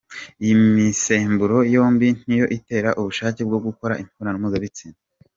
Iyi misemburo yombi niyo itera ubushake bwo gukora imibonano mpuzabitsina.